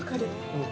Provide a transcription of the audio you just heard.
うん。